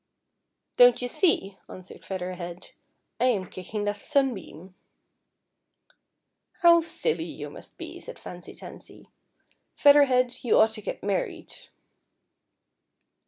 " Don't you see," answered Feather Head, " I am kicking that sunbeam.'' " How silly ) ou must be," said Fancy Tansy. " Feather Head, you oufrht to get married."